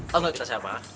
tau gak kita siapa